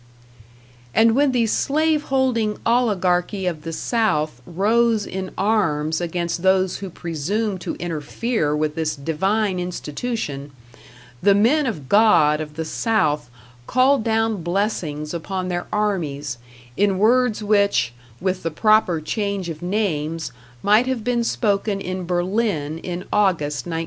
And when the slave holding oligarchy of the South rose in arms against those who presumed to interfere with this divine institution, the men of God of the South called down blessings upon their armies in words which, with the proper change of names, might have been spoken in Berlin in August, 1914.